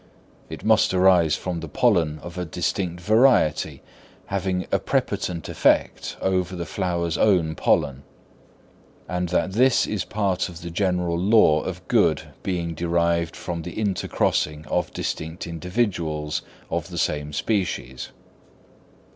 It must arise from the pollen of a distinct variety having a prepotent effect over the flower's own pollen; and that this is part of the general law of good being derived from the intercrossing of distinct individuals of the same species.